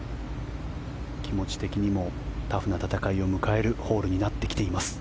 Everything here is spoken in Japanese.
気持ち的にもタフな戦いを迎えるホールになってきています。